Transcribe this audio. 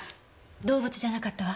動物じゃなかったわ。